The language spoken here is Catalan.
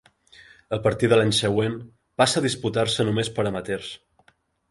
A partir de l'any següent passa a disputar-se només per amateurs.